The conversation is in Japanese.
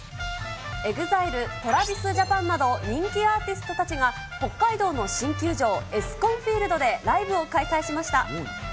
ＥＸＩＬＥ、ＴｒａｖｉｓＪａｐａｎなど、人気アーティストたちが、北海道の新球場、エスコンフィールドで、ライブを開催しました。